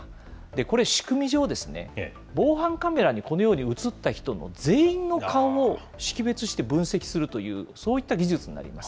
これ、仕組み上、防犯カメラに、このように写った人の全員の顔も識別して分析するという、そういった技術になります。